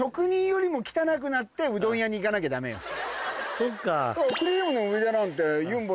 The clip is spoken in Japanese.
そっか。